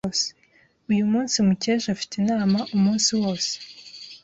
Uyu munsi, Mukesha afite inama umunsi wose.